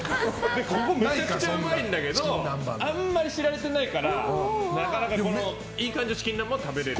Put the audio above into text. めちゃくちゃうまいんだけどあまり知られてないからいい感じのチキン南蛮を食べられる。